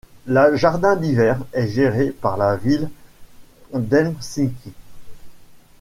La jardin d'hiver est géré par la ville d'Helsinki.